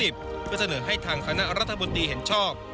เพื่อเสนอให้ทางคณะรัฐบนตรีเห็นชอบ